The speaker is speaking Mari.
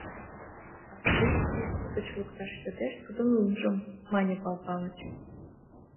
— А кӧ списке гыч лукташ йодеш, тудын лӱмжым, — мане Пал Палыч.